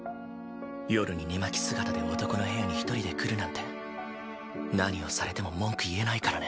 夜に寝巻き姿で男の部屋に一人で来るなんて何をされても文句言えないからね。